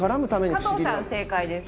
加藤さん正解です。